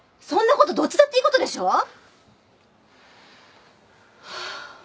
そんなことどっちだっていいことでしょ。